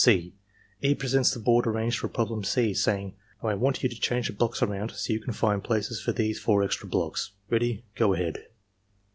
^' (c) E. presents the board arranged for problem C, saying: '*Now I want you to diange the blocks around so you can find places for these four extra blocks. Ready — go ahead.''